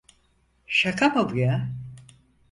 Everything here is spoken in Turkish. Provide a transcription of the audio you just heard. Şaka mı bu ya?